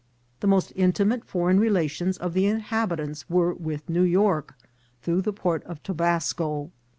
. The most intimate foreign relations of the inhabitants were with New York, through the port of Tobasco.